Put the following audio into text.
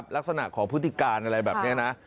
ลักษณะของพฤติการอะไรแบบนี้นะ